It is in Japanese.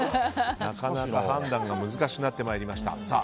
なかなか判断が難しくなってきました。